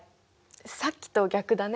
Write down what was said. さっきと逆だね。